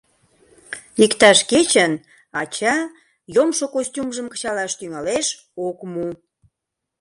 Иктаж кечын ача йомшо костюмжым кычалаш тӱҥалеш, ок му!